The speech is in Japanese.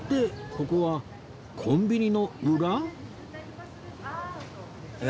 ここはコンビニの裏？